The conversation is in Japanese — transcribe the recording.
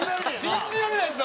信じられないです。